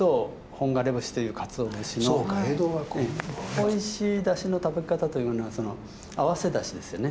おいしい出汁の食べ方というのはその合わせ出汁ですよね。